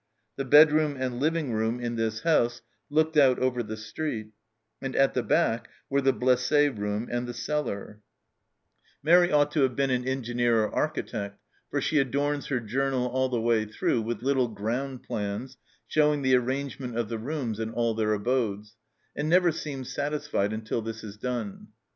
The bedroom and living room in this house looked out over the street, and at the back were the blesse room and the cellar Mairi ought to 248 THE CELLAR HOUSE OF PERVYSE have been an engineer or architect, for she adorns her journal all the way through with little ground plans, showing the arrangement of the rooms in all their abodes, and never seems satisfied until this is done.